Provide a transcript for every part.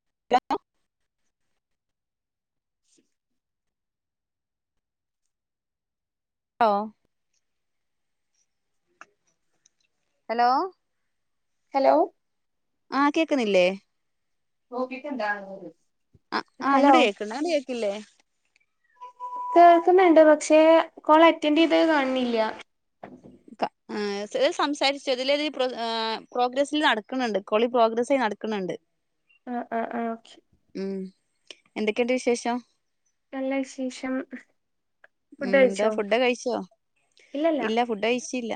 [unintelligible] ഷിട്ട [inaudible] ഓ hello hello ആഹ് കേക്ക്ന്നില്ലേ? ഓ കേക്ക്ണ്ടാ [unintelligible] അ ആഹ് ഇങ്ങട്ട് കേക്ക്ണ്ട് അങ്ങട് കേക്കില്ലേ? കേൾക്കുന്നുണ്ട് പക്ഷെ കോള റ്റൻഡെയ്ത കാണ്ണില്ല ക ആ ഏ സ്‌ സംസാരിച്ചൊ തിലൊരു പ്രൊ ഏ പ്രോഗ്രസ്സിൽ നടക്കുന്നുണ്ട് കോളി പ്രോഗ്രസി നടക്ക്ണണ്ട് [inaudible] ആ ആ ആഹ് ഓക്കെ ഉം എന്തൊക്കെണ്ട് വിശേഷം? നല്ല വിശേഷം. ഫുഡ് ഉംന്താ കഴിച്ചോ ഫുഡ്ഡ് കഴിച്ചോ? ഇല്ലല്ല ഇല്ല ഫുഡ്ഡഴിച്ചില്ല.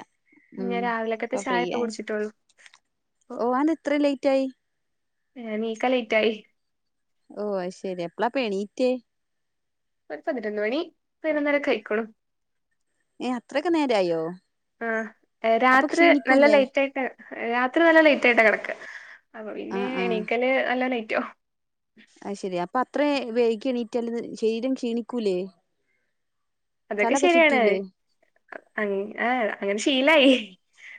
ഉം ഞാൻ രാവിലക്കത്തെ പ്പ ചായ ഇപ്പ ഫ്രീയായ് കുടിച്ചിട്ടുള്ളൂ ഓഹ് അഎന്താ ഇത്രേം ലേറ്റായി? ഏഹ് ണീക്കാൻ ലേറ്റായി. ഓഹ് അയ്ശെരി എപ്പളാപെണീറ്റേ? ഒര് പതിനൊന്ന് മണി പയ്നൊന്നരക്കയ്ക്കുണു. ഏഹ് അത്രൊക്കെ നേരായൊ? ആഹ് ഏ രാത്രി നല്ല ക്ഷീണിക്കൂല്ലേ നൈറ്റായിട്ടാ രാത്രി നല്ല ലേറ്റായിട്ടാ കെടക്ക. അപ്പൊ പിന്നെ ആഹ് ആഹ് എണീക്കല് നല്ല ലേറ്റാവും. അയ്ശെരി അപ്പത്രെ വൈഗി എണീറ്റാല് ശെരീരം ക്ഷീണിക്കൂലേ? അതൊക്കെ തലൊക്കെ ശെരിയാണ് ചുറ്റൂലേ അൻ അ അങ്ങനെ ശീലായി.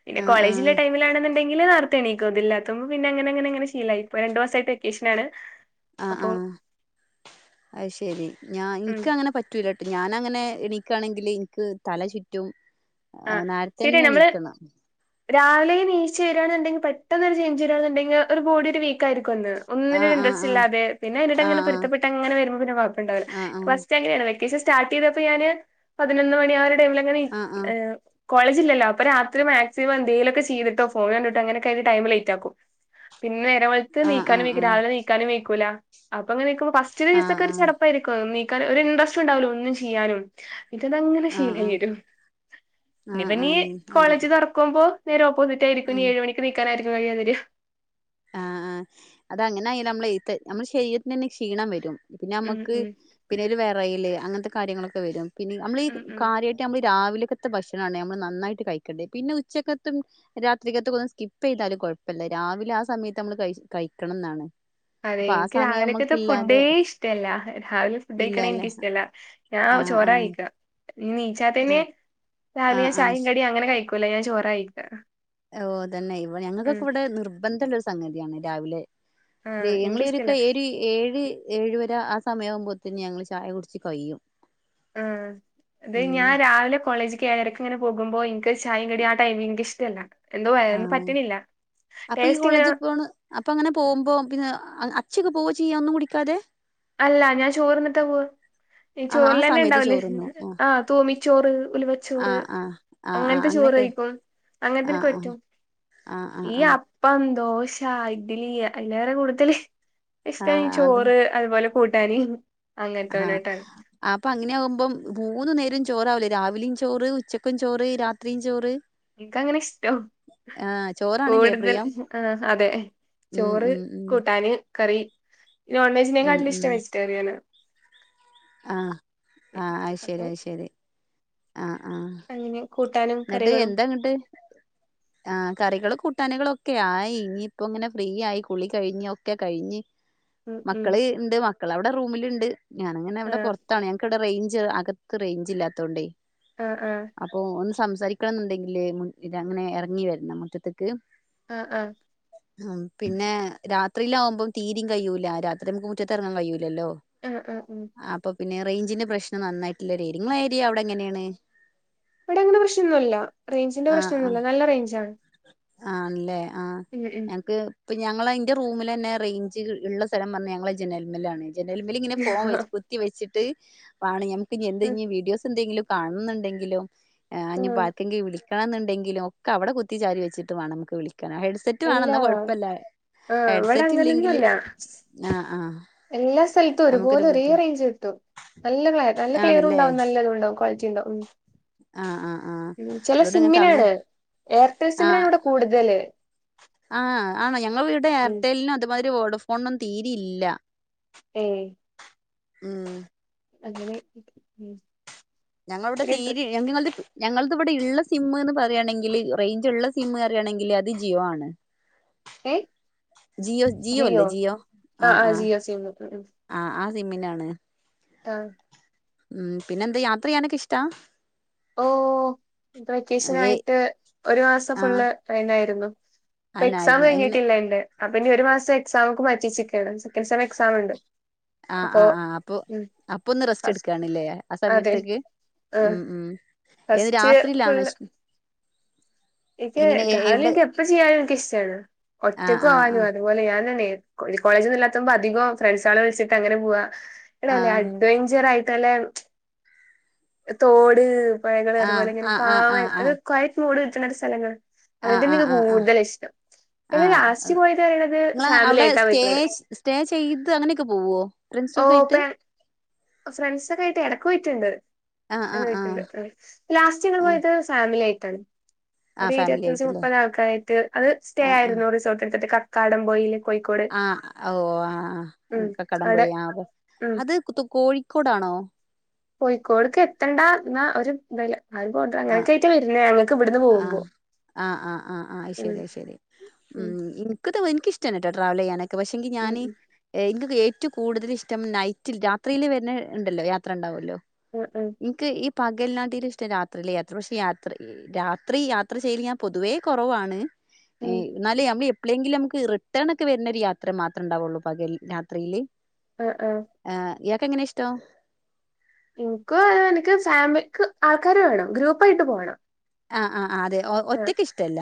പിന്നെ ആഹ് കോളേജിലെ ആഹ് ടൈമിലാണ്ന്ന് ണ്ടെങ്കില് നാർത്തെണീക്കും ത് ല്ലാത്തപ്പ പിന്നങ്ങന ങ്ങനെങ്ങനെ ശീലായി പ്പൊ രണ്ട് മാസായ്ട്ട് വെക്കേഷനാണ്. ആഹ് അപ്പൊ ആഹ് അയ്ശെരി ഞാ ഉം ഇൻക്കങ്ങനെ പറ്റ് റ്റൂലട്ട് ഞാനങ്ങനെ എണീക്കാണെങ്കില് ഇൻക്ക് തല ചുറ്റും. ആഹ്. നാരത്തെ ശരിയാ നമ്മള് ന്നെണീക്കണം രാവിലെ നീച്ചേരാണ്ന്ന്ണ്ടെങ്കി പെട്ടെന്നൊരു ചേഞ്ച് വരാന്ന്ണ്ടെങ്കി ഒര് ബോഡി ഒരു വീക് ത്തായിരിക്കുംന്ന് ഒന്നിനും ആഹ് ഒരു ആഹ് ഇൻറസ്റ്റ്ല്ലാതെ പിന്നയ്നെട്ടങ്ങനെ ആഹ് പൊരുത്തപ്പെട്ടങ്ങനെ വരുമ്പോ പിന്നെ കൊഴപ്പണ്ടാവ് ല ആഹ് ഫസ്റ്റ്ങ്ങനെണ് വെക്കേഷൻ സ്റ്റാർട്ടെയ്തപ്പോ ഞാന് പതിനൊന്ന് മണി ആയൊരു ടൈമിലങ്ങനെ ഇര് ആഹ് ആഹ് എഹ്. കോളേജില്ലല്ലോ അപ്പൊ രാത്രി മാക്സിമം എന്തെലൊക്കെ ചെയ്തിട്ടോ ഫോണ് കണ്ട്ട്ടോ അങ്ങനൊക്കായിട്ട് ടൈമ് ലെയ്റ്റാക്കും. പിന്നെ നേരം വെള്ത്ത് ആഹ് നീക്കാനും ആഹ് വെയ്ക്കും രാവിലെ വീക്കാനും വെയ്ക്കൂല അപ്പൊങ്ങനെക്കൊ ഫസ്റ്റ് ആഹ് ആഹ് ദിവസൊക്കെ ഒര് ആഹ് ചടപ്പായിര്ക്കും നീക്കാന് ഒരിൻട്രസ്‌റ്റുണ്ടാവൂലാന്നും ചെയ്യാനും. ഇതതങ്ങനെ ആഹ് ആഹ് ആഹ് ശീലായെരും. ആഹ് ആഹ് ആഹ് ആഹ് ആഹ് ഇനിപ്പനീ കോളേജ് അങ്ങനെ തൊർക്കുമ്പോ നേരെ ഓപ്പോസിറ്റായിര്ക്കും ഉം ഇനിഏഴ് മണിക്ക് [unintelligible] ആഹ് ആഹ് അത ങ്ങനായാല്ലമ്മളെ ത് നമ്മുടെ ശെരീരത്തിനെന്നെ ക്ഷീണം വെരും ഉം പിന്നെമ്മക്ക്. ഉം പിന്നൊര് വെറയല് അങ്ങൻത്തെ കാര്യങ്ങളൊക്കെ വെരും പിന്നെ ഞമ്മളീ ഉം ഉം കാര്യായ് നമ്മള് രാവിൽക്കത്തെ ഭക്ഷണാണ് ഞമ്മള് ന്നന്നായിട്ട് കഴിക്കെണ്ടേയ് പിന്നെ ഉച്ചക്കത്തും. രാത്രികത്തക്കൊന്ന് സ്കിപ്പ്യ്താലും കൊഴപ്പല്ല രാവിലെ ആഹ് സമയത്ത് അമ്മള് കഴ് കഴിക്കണംന്നാണ്. അതെ ഇൻക്ക് രാവിലെക്കത്തെ ഫുഡേ ഇഷ്ടല്ല രാവിലെ ഫുഡ്ഴിക്ക്ണേ ഇല്ലല്ലേ ഇൻക്ക് ഇഷ്ടല്ല. ഞാൻ ആഹ് ചോറാ ആഹ് കയിക്ക ഇനി ന്നീച്ചാത്തെയ്ന് ആഹ് രാവിലെ ആഹ് ഞാൻ ആഹ് ചായിം കടിം അങ്ങനെ കഴിക്കൂല, ഞാൻ ചോറാ കഴിക്ക. ഓഹ് തന്നെ ഇവ ഞങ്ങക്കൊക്കെ ഇവടെ നിർബന്ധള്ളൊര് സംഗതിയാണ് രാവിലെ വേ ആഹ് എനിക്കിഷ്ടല്ല ഞാങ്ങളീരോക്കെ ഒരി ഏഴ് ഏഴവര ആഹ് സമയാവുമ്പോത്തിന് ഞങ്ങൾ ചായ കുട്ച്ച് കയ്യും. ആഹ് അത് ഞാൻ രാവിലെ കോളേജ്ക്ക് ഏഴരക്ക് ങ്ങനെ പോകുമ്പോ ഇൻക്ക് ചായിം കടിം ആഹ് ടൈംമില് ഇൻക്ക് ഇഷ്ട്ടെല്ലാ എന്തോ വയറിന് ആഹ് പറ്റ്ണില്ല ടേസ്റ്റ് ഇങ്ങനെ അപ്പൊങ്ങനെ പോവുമ്പോ പിന്നെ അച്ചെക്ക് പോവ ചെയ്യാ ഒന്നും കുടിക്കാതെ? അല്ല ഞാൻ ചോറ്ന്ന്ട്ട പോവ ഈ ആഹ് ആ സമയത്ത് ചോറ്ലെന്നെണ്ടാവ്ലെ ചോറുണ്ണും അഹ് തൂമിച്ചോറ് ആഹ് ഉലുവച്ചോറ് ആഹ് ആഹ് ആഹ് ആഹ് അങ്ങൻത്തെ അങ്ങനെയൊക്കെ ചോറ്യ്ക്കും അങ്ങൻത്തെ ഇൻക്ക് ആഹ് പറ്റും. ആഹ് ആഹ് ഈ ആഹ് ആഹ് അപ്പം ദോശ ഇഡ്ലി അയ്ലാറെ കൂടുതല് ഇഷ്ട്ടം ഈ ആഹ് അത് ചോറ് അത്പോലെ കൂട്ടാന് ആഹ് അങ്ങൻത്തോനായിട്ടാണ് അപ്പൊ അങ്ങനെ ആവുമ്പം ഭൂന്ന്ന്നേരം ചോറാവ്ലെ രാവിലിം ചോറ്, ഉച്ചക്കും ചോറ്, രാത്രിയും ചോറ് ഇൻക്കങ്ങനെ ഇഷ്ടം ആഹ് ചോറാണില്ലേ കൂടുതൽ പ്രിയം ആഹ് അതെ ഉം ചോറ് ഉം ഉം കൂട്ടാന് കറി ഉം നോൺവെജിനേകാട്ടിലും ഉം ഇഷ്ടം വെജിറ്റേറിയനാ. ആഹ് ആഹ്, അത്‌ ശരി, അപ്പൊ അത്‌ ശരി ആഹ് ആഹ് എങ്ങനെ കൂട്ടാനും കറികളും എങ്ങിട്ട് ആഹ് കറികളും കൂട്ടാനുകളും ഒക്കെ ആയി, ഇനി ഇപ്പ ഇങ്ങനെ ഫ്രീ ആയി കുളി കഴിഞ്ഞഞ് ഒക്കെ കഴിഞ്ഞ് ഉം ഉം മക്കള് ഇണ്ട് മക്കൾ അവിടെ റൂമിലുണ്ട് ഞാന് അങ്ങനെ ഇവിടെ ആഹ് പുറത്താണ് ഞങ്ങക്ക് ഇവിടെ റേഞ്ച് അക ത്ത് റേഞ്ച് ഇല്ലാത്തോണ്ടേ ആഹ് ആഹ് അപ്പൊ ഒന്ന് സംസാരിക്കണം എന്ന് ഒണ്ടെങ്കില് മുന് അങ്ങനെ ഇറങ്ങി വരണം മുറ്റത്തക്ക് ആഹ് ആഹ് ഉം പിന്നെ രാത്രിയില് ആകുമ്പം തീരിം കഴൂല, രാത്രി നമുക്ക് മുറ്റത്ത് ഇറങ്ങാൻ കഴിയൂലല്ലോ ആഹ് ആഹ് ഉം അപ്പ പിന്നെ റേഞ്ചിന്റെ പ്രശ്നം നന്നായിട്ട് ഉള്ളൊരു ഏരിയ നിങ്ങടെ ഏരിയ അവിടെ എങ്ങനെ ഏണ് ഇവിടെ അങ്ങനെ പ്രശ്നം ഒന്നുല്ല, റേഞ്ചിന്റെ ആ പ്രശ്നം ആ ഒന്നുല്ല നല്ല റേഞ്ചാണ് ആണല്ലേ ആഹ് ഉം ഉം ഞങ്ങക്ക് ഇപ്പൊ ഞങ്ങള ന്റെ റൂമിലെന്നെ റേഞ്ച് ഉള്ള സ്ഥലം എന്ന് പറഞ്ഞ ഞങ്ങൾ ജനൽ മേൽ ആണ് ജനലുമേൽ ഇങ്ങനെ ഫോണ് വെച്ച് കുത്തി വെച്ചിട്ട് വാണം നമുക്ക് ഇഞ് ആഹ് എന്തെങ്കിലും വീഡിയോസ് എന്തെങ്കിലും കാണണം ന്നുടെങ്കിലും ഇനി ഇപ്പ ആഹ് ആർക്ക് എങ്കിലും വിളിക്കണം എന്ന് ഒണ്ടെങ്കിലും ഒക്കെ അവിടെ കു ത്തി ചാരി വച്ചിട്ട് വേണം നമുക്ക് വിളിക്കാൻ ഹെഡ് സെറ്റ് വേണം, ഇല്ല ന്ന കൊഴപ്പല്ല ആഹ് ഇവിടെ ഹെഡ്സെറ്റ് ഇല്ലെങ്കില് അങ്ങനൊന്നുല്ല ആഹ് ആഹ് എല്ലാ സ്ഥലത്തും ഒരുപോലെ നമുക്കൊരു ഒരേ ബുദ്ധി റേഞ്ച് കിട്ടും നല്ലത് നല്ല ക്ലിയറും ആണ്ല്ലേ ഉണ്ടാവും, നല്ലതുണ്ടാവും, ക്വാളിറ്റി ഉണ്ടാവും ഉം ആഹ് ആഹ് ആഹ് ഉം ചെല അതോണ്ട് ഇങ്ങക്ക് അങ്ങ സിമ്മിനാണ് എയർടെൽ സിമ്മിനാണ് ആഹ് ഇവിടെ കൂടുതല് ആഹ് ആണോ ഞങ്ങൾ ഇവടെ ഉം എയർടെല്ലിനും അതുമാതിരി വോഡോഫോണിനും തീരി ഇല്ല. ഏഹ്. ഉം അങ്ങനെ ഉം ഞങ്ങളവടെ ഇവടെ ഒരു ട്രി തീരീ [unintelligible] ഞങ്ങൾത് ഇവടെ ഇള്ള സിം ന്ന് പർയാണെങ്കില് റേഞ്ച് ഒള്ള സിം പർയാണെങ്കിൽ അത് ജിയോ ആണ്. ഏഹ് ജിയോ ജിയോ അല്ലേ ജിയോ ആഹ് ആഹ്. ജിയോ സിമ്മ് ഉം ഉം ആഹ് ആ സിമ്മിനാണ്. ആഹ്. ഉം പിന്നെന്താ യാത്ര ചെയ്യാനൊക്കെ ഇഷ്ടാ? ഓഹ് ഇപ്പ ഏ വെക്കേഷനായിട്ട് ഒരു മാസം ആഹ് ഫുള്ള് അഎന്നായിരുന്നു. ഇപ്പ എക്സാം അനായിരുന്നു എങ്ങനെ കഴിഞ്ഞിട്ടില്ല എന്റെ അപ്പ ഇനി ഒരു മാസം എക്സാംമുക്ക് മാറ്റ്യേച്ചക്കാണ്. Second sem എക്സാമ്ണ്ട്. ആഹ് ആഹ് ആഹ് അപ്പൊ അപ്പൊന്ന് റെസ്റ്റ് ഫസ് ഇട്ക്കാണ്ല്ലേ ആ അതെ സമയത്ത്ക്ക് ഉം ആഹ് ഉം. ഏത് ഫസ്റ്റ് രാത്രിയിലാണൊ ഇഷ് ഇൻക്ക് എങ്ങനെ എ ട്രാവല് എവിടെ ഇൻക് എപ്പ ചെയ്യാനും ഇൻക്ക് ഇഷ്ടാണ് ആഹ് ഒറ്റക്കൊ വാനും ആഹ് അതെ പോലെ ഞാനെന്നേ കോളി ഈ കോളേജൊന്നു ഇല്ലാത്തുമ്പോ അധികോം ഫ്രണ്ട്സാളെ വിൾച്ചിട്ട് അങ്ങനെ പോവാ ന്നട്ട് നല്ല അ ആഹ് ഡെയ്ഞ്ചർ ആയിട്ട് നല്ലെ തോട് പൊയകള് അത് പോലെ ആഹ് ഇങ്ങനെ ആഹ് ആഹ് കാം ആഹ് ആഹ് കൊയറ്റ് മൂഡ് കിട്ട്ണ ഒരു സ്ഥലങ്ങൾ. അങ്ങൻ ആഹ് ആഹ് തന്നൊക്കെ ആഹ് ആഹ് കൂടുതൽ ഇഷ്ടം. പിന്നെ ആഹ് ലാസ്റ്റ് പോയത് പറയണത് ങ്ങള ഫാമിലി അവിടെ ആയിട്ടാ സ്റ്റേ പോയിക്കണത് സ്റ്റേ ചെയ്ത് അങ്ങനെ ഒക്കെ പോവോ? ഫ്രണ്ട്സൊക്കായിട്ട് ഫ്രണ്ട്സൊക്കെ ആയിട്ട് എടക്ക് പോയിറ്റ്ണ്ട്. ആഹ് അയ്ന് ആഹ് കൊയപ്പല്ല ആഹ് ഇപ്പ ലാസ്റ്റ് ഞങ്ങൾ ആഹ് പോയത് ഫാമിലി ആയിട്ടാണ്. ആഹ് ഒരു ഫാമിലി ഇരുപത്തഞ്ച് ആയിട്ടല്ലേ മുപ്പത് ആൾക്കാരായിട്ട് അത് സ്റ്റേ ആഹ് ആഹ് ആയിരുന്നു റിസോർട്ട് എടുത്തിട്ട് കക്കാടം പൊയില്. ആഹ് ഓഹ് ഉം ആഹ് കക്കാടം അവിടെ പോയിൽ ആഹ് ഉം അത് കോഴിക്കോടാണോ? കോഴിക്കോട്ക്കെത്തണ്ട ന്നാ ഒരു തുല്ല ആ ഒരു ബോർഡർ അങ്ങനെ ആഹ് ഒക്കെ ആയിട്ടാ വെരുന്നേ അങ്ങൻ ആഹ് ആഹ് ആഹ് ആഹ് ആഹ്. അഹ് ഉം ശരി. അഹ് ശരി. ഉം. ഇൻ ക്ക് തൂ ഇൻക്കിഷ്ടന്നെ ട്ടോ ട്രാവൽ ചെയ്യാനൊക്കെ പക്ഷെങ്കി ഉം ഞാന് ഏഹ് ഇൻകൊക്കെ ഏറ്റവും കൂടുതൽ ഇഷ്ടം നൈറ്റിൽ രാത്രിയില് വര്നെ ഇണ്ടല്ലോ യാത്ര ണ്ടാവല്ലോ. ആഹ് ആഹ്. ഇൻക്ക് ഈ പകൽനാട്ടിലു ഇഷ്ടം രാത്രിലെ യാത്ര പക്ഷെ യാത്ര രാത്രി യാത്ര ചെയ്യല് ഞാൻ പൊതുവേ കൊറവാണ് ഉം ഏഹ് ഇന്നാല് ഞമ്മള് എപ്ളെങ്കിലും നമുക്ക് റിട്ടേൺ ഒക്കെ വര്നൊരു യാത്ര മാത്രണ്ടാവൊള്ളൂ പകൽ രാത്രിയില്. അഹ് ആഹ് ഏഹ് ഇയാൾക്കെങ്ങനെ ഇഷ്ടം? ഇൻക്കു അങ്ങനൻക്ക് ഫാമിലിക്ക് ആൾക്കാർ വേണം ഗ്രൂപ്പായിട്ട് പോണം. ആഹ് ആഹ് ആഹ് അതെ ഒ ആഹ് ഒറ്റക്ക് ഇഷ്ടല്ല.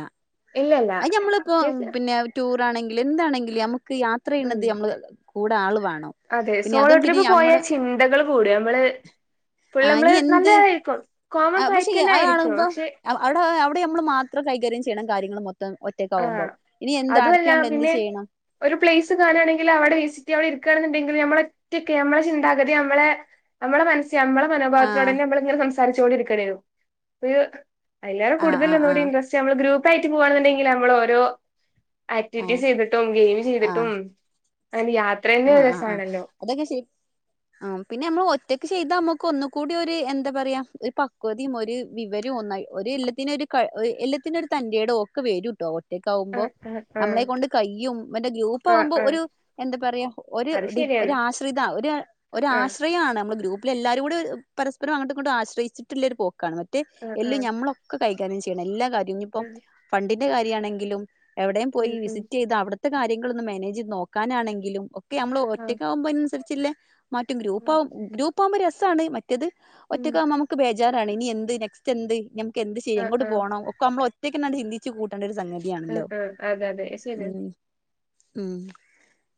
ഇല്ലല്ല അത് ഞമ്മളിപ്പം ഒറ്റക്ക് പിന്നെ ടൂറാണെങ്കില് എന്താണെങ്കിലും നമുക്ക് യാത്ര ഉം ചെയ്യ്ണത് നമ്മൾ കൂടെ ആള് വേണം. അതെ പിന്നെ സോളോ അതും പിന്നെ ട്രിപ്പ് പോയ ഞമ്മടെ ചിന്തകൾ കൂടും നമ്മള് ആഹ് ഫുള്ളമ്മള് ഇനി എന്ത് നല്ലതായിരിക്കും കോം ആൻഡ് കൊയറ്റെന്നെ ആയിരിക്കും. പക്ഷെ ഔ ഔടേ ഔടെ ഞമ്മൾ മാത്രം കൈകാര്യം ചെയ്യണം കാര്യങ്ങളും മൊത്തം ഒ ആഹ് റ്റക്കാവുമ്പം ഇനി എന്ത് അടുത്ത് അതുമല്ല നമ്മൾ എന്ത് പിന്നെ ചെയ്യണം ഒരു പ്ലേസ് കാണാണെങ്കിൽ അവടെ വിസിറ്റ് അവടെ ഇര്ക്കാണുന്നുണ്ടെങ്കിൽ നമ്മളൊ റ്റൊക്കെ നമ്മളെ ചിന്താഗതി നമ്മളെ നമ്മള മനസ്സി നമ്മുടെ മനോഭാവത്തിലോടെ ആഹ് തന്നെ നമ്മള ഇങ്ങനെ സംസാരിച്ചുക കൊണ്ടിരിക്കേൂ അ അല്ലാരും ആഹ് കൂടുതൽ ആഹ് ഒന്നുകൂടി ആഹ് ഇൻട്രസ്റ്റ് നമ്മള് ഗ്രൂപ്പായിട്ട് പോകണുണ്ടെങ്കിൽ നമ്മൾ ഓരോ ആക്ടിവിറ്റീസ് ആഹ് ചെയ്തിട്ടും ഗെയിം ചെയ്തിട്ടും ആഹ് അനെ ആഹ് ആഹ് ആഹ് അതൊക്കെ ശ ആഹ് പിന്നെ നമ്മൾ ഒറ്റക്ക് ചെയ്താ നമ്മുക്ക് ഒന്ന കൂടി ഒരു എന്താ പറയാ ഒരു പക്വതിയും ഒരു വിവരവും ഒന്നായി ഒ എല്ലാത്തിനൊ ഒരു എല്ലത്തിന ഒരു തന്റെറേടോ ഒക്കെ വരൂട്ടോ റ്റക്കകുമ്പോ ആഹ് ആഹ് നമ്മളെ ആഹ് കൊണ്ട് കയ്യും മറ്റേ ഗ്രൂപ്പ ആഹ് ആകുമ്പോ ആഹ് ഒരു എന്താ പറയാ അത് ഡി ശരിയാണ് ആശ്രിത ഒരു ആഹ് ആശ്ര ത്രയാണ് നമ്മൾ ഗ്രൂപ്പില എല്ലാവരും കൂടെ പര്പരംങ്ങട്ടും ആശ്രയിച്ചിട്ടുള്ളൊ ഒരു പോക്കാണ് ആഹ് എല്ല ആഹ് ഞമ്മളൊക്കെ കൈകാര്യം ചെയ്യണം എല്ലാ കാര്യവും ഇപ്പോ ഫണ്ടിന്റെ കാര്യമാണെങ്കിലും എവിടെയും പോയി ഉം ഉം വിസിറ്റ് ചെയ്ത് അവിടത്തെ കാര്യങ്ങള ഒന്നും മാനേജ് നോക്കാനാണെങ്കിലും നമ്മള് ആഹ് ഒറ്റക്ക ആകുമ്പോ അതിനനുസരിച്ചേ മറ്റും ഗ്രൂപ്പ ആഹ് ആകും ഗ്രൂപ്പ് ആകുമ്പോ രസമാണ് മറ്റത് ഉം ഒറ്റക്കാ നമുക്ക് ബേജാറാണ് ഇനി എന്ത് നെക്സ്റ്റ് എന്ത് നമക്ക് എന്ത് ശരി ആഹ് എങ്ങോട്ട് ആഹ് പോകണം ഇപ്പ നമ്മൾ ഒറ്റയ്ക്ക് ചിന്തിച്ച് കൂട്ടേണ്ട ഒരു ആഹ് സംഗതിയാണല്ലോ ആഹ് അതെ അതെ ശരിയാ ഉം ഉം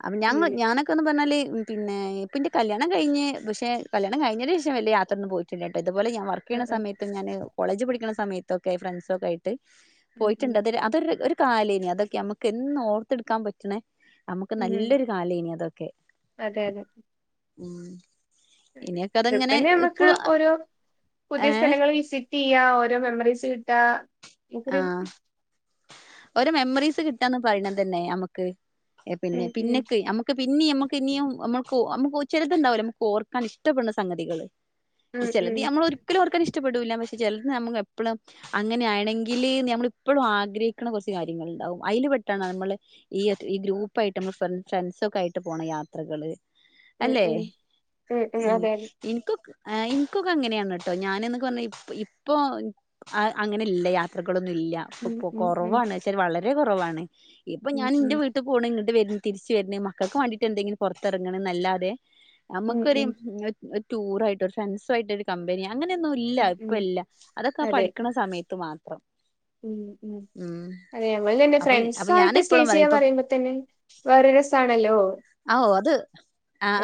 അപ്പൊ ഉം ഞങ്ങൾ അങ്ങനൊക്കെ പറഞ്ഞാ പിന്നെപ്പ പിന്നന്റെ കല്യാണം കഴിഞ്ഞ് പക്ഷെ കല്യാണം കഴിഞ്ഞതിന് ശേഷം വല്ല യാത്രൊന്ന് പോയി് ട്ട് ഇതുപോല ഞാൻ വർ ആഹ് ണ ആഹ് സമയത്തും ഞാന് കോളേജ് പഠിക്കണ സമയത്തൊക്കെ ഫ്രണ്ട്സ ഒക്കെ ആയിട്ട് ഉം ഉം പോയിട്ടുണ്ട് അത് അതൊ കാലേനി അതൊക്കെ നമുക്ക് എന്ന് ഓർത്തെടുക്കാൻ പറ്റണേ നമുക്ക് ഉം നല്ലൊരു അതൊക്കെ അതെ ഉം [unintelligible] ഇനിയൊക്കെ ട്രിപ്പ് അതങ്ങനെ തന്നെ നമ്മുക്ക് ഇപ്പളും ഓരോ പുതിയ ഏ സ്ഥലങ്ങൾ വിസിറ്റ് ചെയ്യ ഓരോ മെമ്മറീസ് കിട്ടാ നമുക്കൊരു ആഹ് ഓരോ മെമ്മറീസ് കിട്ടാന്ന് പറയണ തന്നെ നമുക്ക് ക്ക് പിന്നെ ഉം ഉം പിന്നെക്ക നക്ക് പിന്നെ നമ്മുക്ക് ഇനിയും നമ്മക്ക് നക്ക് ചെറുതുണ്ടാവുമോ നമുക്ക് ഓക്കാൻ ഇഷ്ടപ്പെടുന്ന സംഗതികള് ഉം ചിലത് ഉം നമ്മൾ ഒരിക്കലും ഓർക്കാൻ ഇഷ്ടപ്പെടൂല്ല പക്ഷെ ചിലത് നമ്മ എപ്പഴും അങ്ങനെ ആണെങ്കിൽ ല് നമ്മള ഇപ്പോഴും ആഗ്രഹിക്കുന്ന കുറച്ച് കാര്യങ്ങൾുണ്ടാാവും അതിൽ പെട്ടാണ് നമ്മള് ഈ ഈ ഗ്രൂപ്പായിയിട്ട് നമ്മ ഫ്രണ്ട്സ ഒക്കെ ആയിട്ട് പോണ യാത്രകള് അല്ലേ ഉം എനിക്കൊ എനിക്കൊക്കെ അങ്ങനെയാണ് കേട്ടോ ഞാനന്ന് പറഞ്ഞ ഇപ്പ ഇപ്പോ ആഹ് അങ്ങനെ ഇല്ലയാത്ര ത്രകളൊന്നും ഇല്ല ഉം ഉം ഉം ഉം കുറവാണ് ശരി വളരെ കുറവാണ് ഇപ്പൊ ഉം ഞാൻ എന്റെ വീട്ടിൽ ഇട്ട് പോണ് ഇങ്ങട്ട് വര്ണ് തിരിച്ച് വരണ് മക്കൾക്ക് വേണ്ടീട്ട് എന്തെങ്കിലും പുറത്തിറങ്ങണ്ന്നല്ലാതെ ഉം നമ്മുക്കൊരു ഉം ഒരു ടൂറായിട്ടോ ഒരു ഫ്രണ്ട്സായിട്ടോ ഒരു കമ്പനി അങ്ങനെയൊന്നും ഇല്ല ഉം ഉം ഇപ്പ ഇല്ല അതൊക്കെ ആഹ് അതെ പഠിക്കണ സമയത്ത് മാത്രം ഉം ഉം അതെ നമ്മൾ രണ്ട് അപ്പൊ അപ്പൊ ഞാൻ ഫ്രണ്ട്സായിട്ട് സ്റ്റേ എപ്പോഴും പറയും ഇപ്പൊ ചെയ്യാന്നറിയുമ്പോത്തന്നെ വെറെരസാണല്ലോ ഔ അത് ആഹ്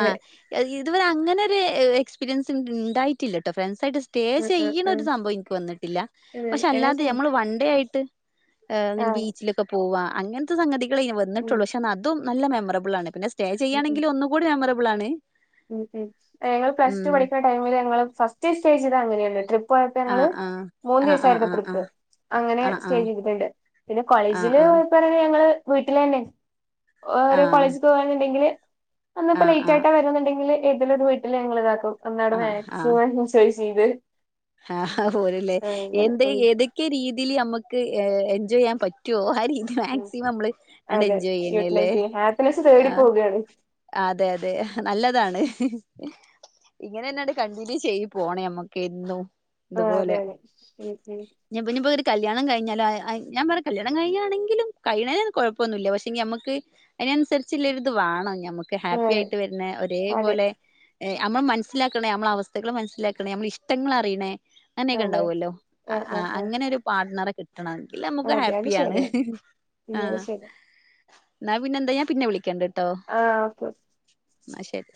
ആഹ് ഇതുവരെ അങ്ങനെ ഒരു എക്സ്പീരിയൻസ് ഇണ്ടായിട്ടില്ലട്ടോ ഫ്രണ്ട്സ് ആയിട്ട് സ്റ്റേ ആഹ് ആഹ് ചെയ്യണാരു ആഹ് സംഭവം എനിക്ക് വന്നിട്ടില്ല ഞങ്ങൾ ഫുഡ് വൺണ്ടേ ആയിട്ട് എഹ് ഇങ്ങനെ ആഹ് ബീച്ചിലൊക്കെ പോവാ അങ്ങനത്തെ സംഗതികളെ ഉം വന്നിട്ടുള്ളൂ പക്ഷെ അതും നല്ല മെമ്മറബിളാണ് പിന്നെ സ്റ്റേ ഉം ഉം ചെയ്യാണെങ്കിൽ ഒന്നുകൂടി മെമ്മറബിളാണ് ഉം ഉം ഞങ്ങൾ പ്ലസ് ടു പഠിക്കണ ടൈമില് ഞങ്ങള് ഫസ്റ്റ് സ്റ്റേജിലങ്ങനെന്നു ട്രിപ്പ് പോയപ്പോ ഞങ്ങള് ആഹ് ആഹ് ആഹ് മൂന്നീസായിരുന്ന് ആഹ് ട്രിപ്പ് അങ്ങനെ ആഹ് സ്റ്റേ ആഹ് ചെയ്തിട്ടുണ്ട് പിന്നെ ആഹ് കോളേജില് ഇപ്പറയുന്ന ഞങ്ങളെ വീട്ടിലെന്നെ ആഹ് ആഹ് ഒരേ ആഹ് കോളേജിക്ക് പോകാണണ്ടെങ്കില് അന്നിപ്പ ആഹ് ലേറ്റ് ആയിട്ടാ വരുന്നുണ്ടെങ്കിൽ ഏതിലും ഒരു വീട്ടില് ഞങ്ങൾ ഇതാക്കും അന്നവിടെ ആഹ് മാക്സിമം എൻജോയ് ചെയ്ത് ആഹാ പോരല്ലേ ആ, അങ്ങനെ എന്ത് ഏത് ഉം ഏതൊക്കെ രീതില് നമ്മക്ക് ഹെ എൻജോയ് ചെയ്യാൻ പറ്റോ ആ രീതീക്ക് ഉം മാക്സിമം മ്മള് ആണ്ട് അതെ എൻജോയ് ചെയ്യുന്നേല്ലേ യൂട്ടിലൈസ് ചെയ്യും ഹാപ്പിനെസ് ആ തേടി പോവുകയാണ് ആ അതെയതെ നല്ലതാണ് ഇങ്ങനെ ന്നാണ്ട് കണ്ടിന്യൂ ചെയ്ത് പോണേ നമ്മക്ക് എന്നും ആ അതെ ഇതുപോലെ അതെ ഉം ഉം ഞാ ഇപ്പോഞ്ഞിപ്പോ ഒരു കല്യാണം കഴഞ്ഞാലു ആ ഞാൻ പറ കല്യാണം കഴിഞ്ഞാണെങ്കിലും കഴിയണെനൊന്നും കുഴപ്പൊന്നില്ല പക്ഷെഞ്ഞിമ്മക്ക് അയിനനുസരിച്ചില്ലരുത് വണം ഞമ്മക്ക് ഹാപ്പി അതെ ആയിട്ട് വരുന്നെ ഒരേ അതെ പോലെ ഹെ നമ്മള് മനസിലാക്കണേ നമ്മളെ അവസ്ഥകൾ മനസ്സിലാക്കണെ നമ്മളെ ഇഷ്ടങ്ങൾ അറിയണെ അങ്ങനെക്കെ അതെ ഉണ്ടാവുല്ലോ ആ ആ അങ്ങനൊരു പാർട്ടനറെ കിട്ടണം ആ എങ്കിലമുക്ക് അതെ അത് ഹാപ്പിയാണ് ശരിയാണ് ഉം അത് ആഹ് ശരിയാ ന്നാ പിന്നെന്താ ഞാൻ പിന്നെ വിളിക്കണ്ട്ട്ടോ ആഹ് ഓക്കെ ന്നാ ശെരി